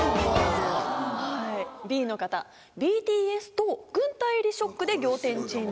Ｂの方「ＢＴＳと軍隊入りショックで仰天チェンジ」。